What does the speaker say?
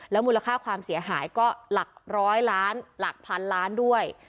มูลค่าความเสียหายก็หลักร้อยล้านหลักพันล้านด้วย